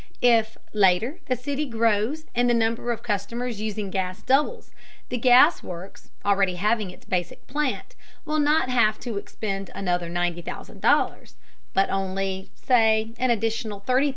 If, later, the city grows and the number of customers using gas doubles, the gas works, already having its basic plant, will not have to expend another $90,000, but only, say, an additional $30,000.